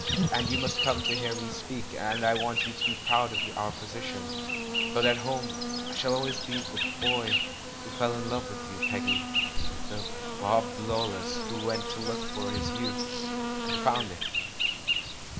— and you must come to hear me speak, and I want you to be proud of our position; but at home I shall always be the 'boy' who fell in love with you, Peggy, the 'Bob Lawless' who went to look for his youth — and found it!"